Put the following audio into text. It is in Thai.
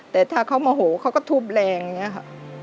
แต่ถ้าเค้ามาโหเค้าก็ทุบแรงอย่างเนี้ยค่ะ